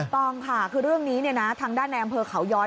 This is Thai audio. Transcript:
ต้องค่ะคือเรื่องนี้ทางด้านในอำเภอเขาย้อย